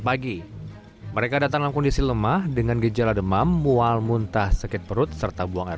pagi mereka datang dalam kondisi lemah dengan gejala demam mual muntah sakit perut serta buang air